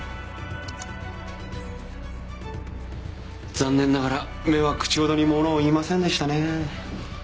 残念ながら目は口ほどにものを言いませんでしたね。